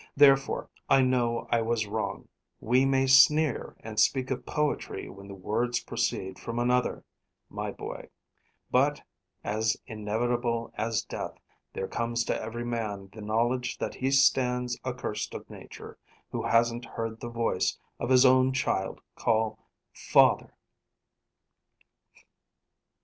Therefore, I know I was wrong. We may sneer and speak of poetry when the words proceed from another, my boy; but, as inevitable as death, there comes to every man the knowledge that he stands accursed of Nature, who hasn't heard the voice of his own child call 'father!'"